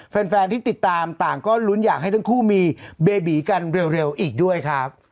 แฟนที่ติดตามต่างก็ลุ้นอยากให้ทั้งคู่มีเบบีกันเร็วอีกด้วยครับ